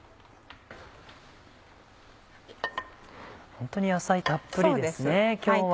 ホントに野菜たっぷりですね今日は。